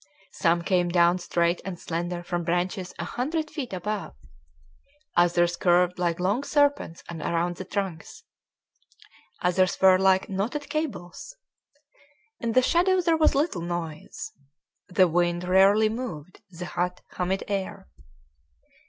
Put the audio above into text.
Some came down straight and slender from branches a hundred feet above. Others curved like long serpents around the trunks. Others were like knotted cables. In the shadow there was little noise. The wind rarely moved the hot, humid air.